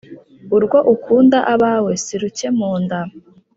Urwo ukunda abawe si ruke mu nda